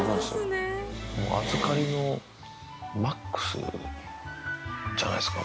預かりのＭＡＸじゃないですか。